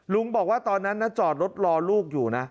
ลุงบอกว่าตอนนั้นนะจอดรถรอลูกอยู่นะ